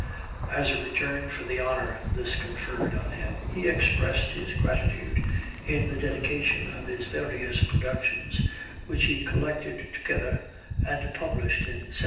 As a return for the honor thus conferred on him, he expressed his gratitude in the dedication of his various productions, which he collected together, and published in 1781.